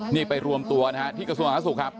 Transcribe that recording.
นี่ไปรวมตัวนะฮะที่กระทรวงศาสตร์ศูนย์ครับ